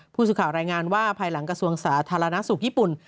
ผู้สื่อข่าวรายงานว่าภายหลังกระทรวงสาธารณสุขญี่ปุ่น